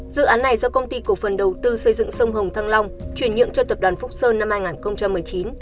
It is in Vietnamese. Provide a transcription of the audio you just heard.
dự án này do công ty cổ phần đầu tư xây dựng sông hồng thăng long chuyển nhượng cho tập đoàn phúc sơn năm hai nghìn một mươi chín